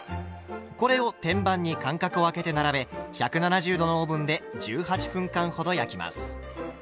これを天板に間隔をあけて並べ１７０℃のオーブンで１８分間ほど焼きます。